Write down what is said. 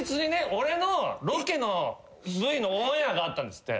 俺のロケのＶのオンエアがあったんですって。